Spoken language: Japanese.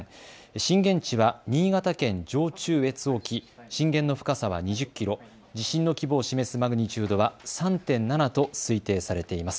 震源地は新潟県上中越沖、震源の深さは２０キロ、地震の規模を示すマグニチュードは３．７と推定されています。